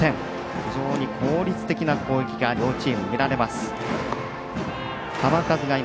非常に効率的な攻撃が両チーム、見られます。